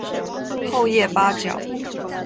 厚叶八角